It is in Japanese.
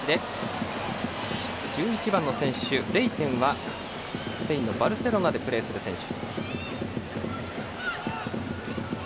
１１番の選手、レイテンはスペインのバルセロナでプレーする選手。